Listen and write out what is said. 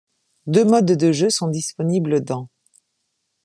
Deux modes de jeu sont disponibles dans '.